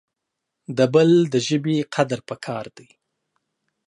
د بل دژبي قدر پکار د